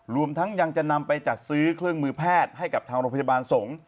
รวมทั้งยังจะนำไปจัดซื้อเครื่องมือแพทย์ให้กับทางโรงพยาบาลสงฆ์